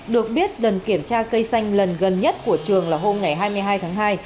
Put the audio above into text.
được biết lần kiểm tra cây xanh lần gần nhất của trường là hôm hai mươi hai tháng hai